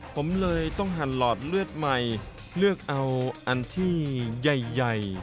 ผมเลยต้องหั่นหลอดเลือดใหม่เลือกเอาอันที่ใหญ่